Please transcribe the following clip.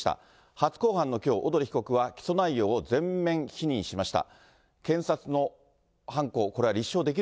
初公判のきょう、小鳥被告は起訴内容を全面否認しました。